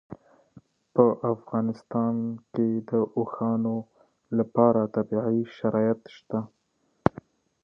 په افغانستان کې د اوښانو لپاره طبیعي شرایط شته.